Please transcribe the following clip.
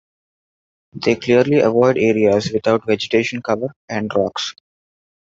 They clearly avoid areas without vegetation cover and rocks.